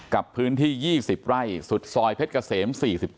กับพื้นที่๒๐ไร่สุดซอยเพชรเกษม๔๗